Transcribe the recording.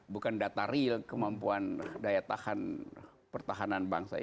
bukan data real kemampuan daya tahan pertahanan bangsa